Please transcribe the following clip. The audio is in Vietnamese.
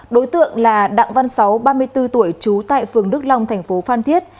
đối tượng là đặng văn sáu ba mươi bốn tuổi trú tại phường đức long thành phố phan thiết